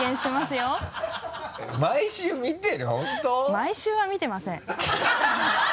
毎週は見てません。